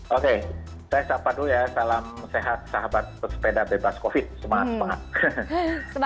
oke saya sapa dulu ya salam sehat sahabat pesepeda bebas covid semangat